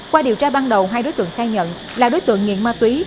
qua điều tra ban đầu hai đối tượng khai nhận là đối tượng nghiện ma túy